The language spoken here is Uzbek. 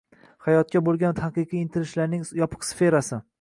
hayotga bo‘lgan haqiqiy intilishlarning yopiq sferasi